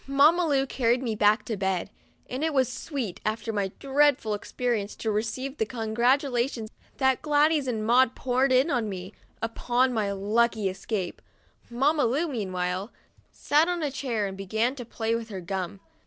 Mamma Lu carried me back to bed, and it was sweet, after my dreadful experience, to receive the con gratulations that Gladys and Maud poured in on me, upon my lucky escape. Mamma Lu, meanwhile, sat on a chair, and began to play with her gum.